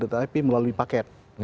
tapi melalui paket